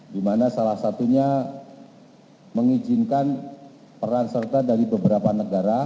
di mana salah satunya mengizinkan peran serta dari beberapa negara